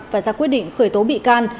và ra quyết định khởi tố bị can